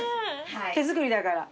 手作りだから。